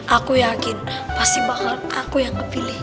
aku yakin pasti bakalan aku yang kepilih